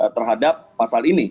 terhadap pasal ini